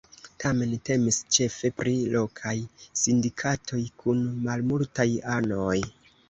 Tamen temis ĉefe pri lokaj sindikatoj kun malmultaj anoj.